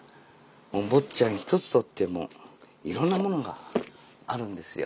もう「坊っちゃん」一つとってもいろんなものがあるんですよ。